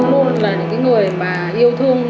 luôn là những cái người mà yêu thương